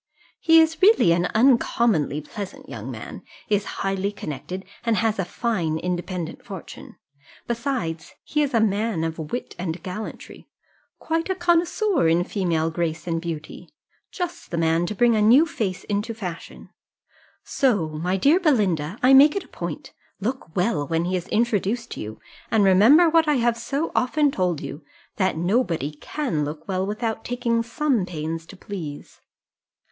He is really an uncommonly pleasant young man, is highly connected, and has a fine independent fortune. Besides, he is a man of wit and gallantry, quite a connoisseur in female grace and beauty just the man to bring a new face into fashion: so, my dear Belinda, I make it a point look well when he is introduced to you, and remember, what I have so often told you, that nobody can look well without taking some pains to please.